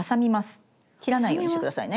切らないようにして下さいね。